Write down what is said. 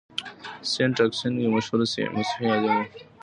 سينټ اګوستين يو مشهور مسيحي عالم و.